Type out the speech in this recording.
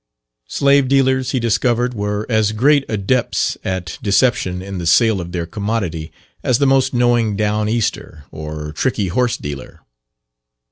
Slave dealers he discovered were as great adepts at deception in the sale of their commodity as the most knowing down easter, or tricky horse dealer.